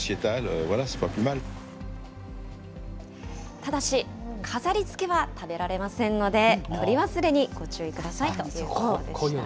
ただし、飾りつけは食べられませんので、取り忘れにご注意くださいということでした。